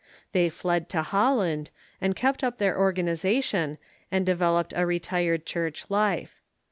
They fled to Holland, and kept up their organization, and developed a retired church life.